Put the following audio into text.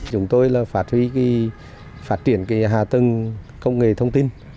chúng tôi là phát huy phát triển hạ tầng công nghệ thông tin